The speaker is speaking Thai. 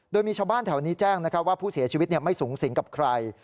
โดยมีชาวบ้านแถวนี้แจ้งว่าผู้เสียชีวิตไม่สูงสิงกับใคร